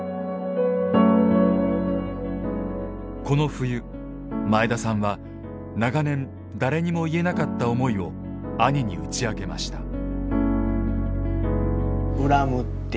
この冬前田さんは長年誰にも言えなかった思いを兄に打ち明けました。